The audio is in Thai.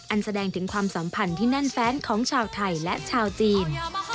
แสดงถึงความสัมพันธ์ที่แน่นแฟนของชาวไทยและชาวจีน